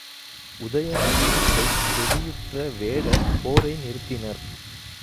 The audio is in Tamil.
உதயணன் கூற்றைச் செவியுற்ற வேடர் போரை நிறுத்தினர்.